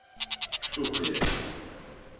Что хозяйство?